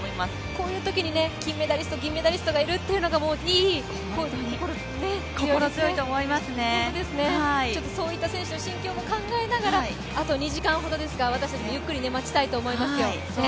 こういうときに金メダリスト、銀メダリストがいるっていうのがいい、心強いですね、そういった選手の心境も考えながらあと２時間ほどですが、私たち、ゆっくり待ちたいと思います。